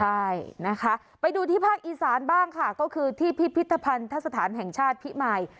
ใช่นะคะไปดูที่ภาคอีสานบ้างค่ะก็คือที่พิพิธภัณฑสถานแห่งชาติพิมาย